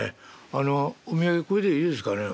あのお土産これでいいですかね」。